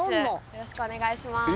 よろしくお願いします。